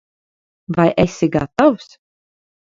Vai esi gatavs?